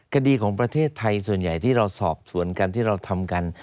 คดีของประเทศไทยส่วนใหญ่ที่เราสอบสวนกันที่เราทำกัน